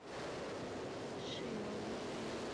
是由远月内评价最高的十名学生所组成的委员会。